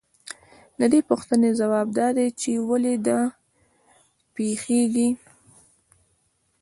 د دې پوښتنې ځواب دا دی چې ولې دا پېښېږي